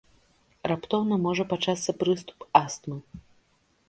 Раптоўна можа пачацца прыступ астмы.